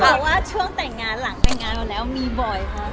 เพราะว่าช่วงแต่งงานหลังแต่งงานมาแล้วมีบ่อยค่ะ